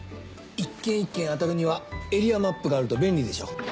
一軒一軒あたるにはエリアマップがあると便利でしょ。